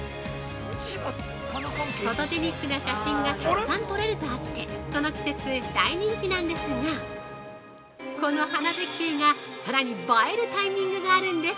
フォトジェニックな写真がたくさん撮れるとあってこの季節、大人気なんですがこの花絶景がさらに映えるタイミングがあるんです。